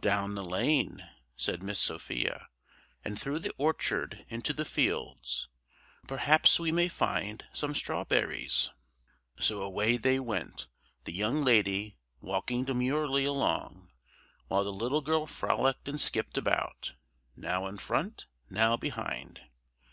"Down the lane!" said Miss Sophia, "and through the orchard into the fields. Perhaps we may find some strawberries." So away they went, the young lady walking demurely along, while the little girl frolicked and skipped about, now in front, now behind.